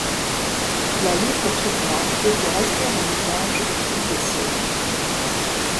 La livre tournois était restée en usage au fil des siècles.